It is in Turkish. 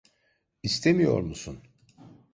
İstemiyor musun?